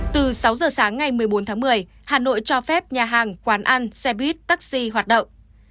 từ sáu giờ sáng ngày một mươi bốn tháng một mươi hà nội cho phép nhà hàng quán ăn xe buýt taxi hoạt động